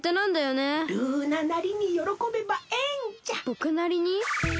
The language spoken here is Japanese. ぼくなりに？